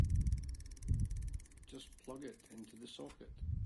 Just plug it into the socket!